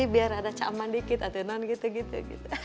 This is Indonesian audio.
biar ada caman dikit atau non gitu gitu